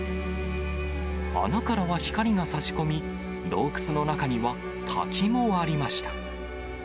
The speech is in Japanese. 穴からは光がさし込み、洞窟の中には滝もありました。